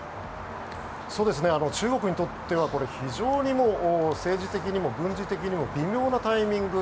中国にとっては非常に政治的に軍事的にも微妙なタイミング